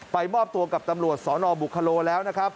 มอบตัวกับตำรวจสนบุคโลแล้วนะครับ